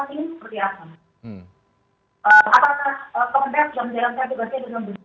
apakah kompetensi dalam jangka jangka itu masih belum beres